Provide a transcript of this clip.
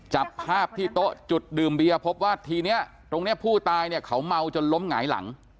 จับภาพที่โต๊ะจุดดื่มเบียร์พบว่าทีนี้ตรงนี้ผู้ตายเนี่ยเขาเมาจนล้มหงายหลัง